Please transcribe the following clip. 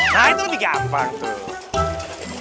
nah itu lebih gampang tuh